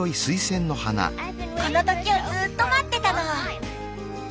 この時をずっと待ってたの。